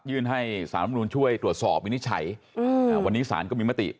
ยื่นให้สารรับมนุษย์ช่วยตรวจสอบวินิจฉัยอืมวันนี้สารกับมิมติ